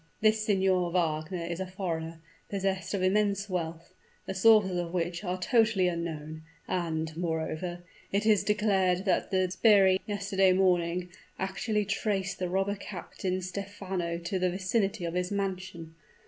This Signor Wagner is a foreigner, possessed of immense wealth, the sources of which are totally unknown; and, moreover, it is declared that the sbirri, yesterday morning, actually traced the robber captain Stephano to the vicinity of his mansion.